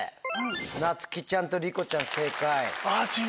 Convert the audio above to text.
なつきちゃんとりこちゃん正解。